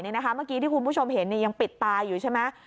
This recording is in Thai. เมื่อกี้ที่คุณผู้ชมเห็นยังปิดตาอยู่ใช่ไหม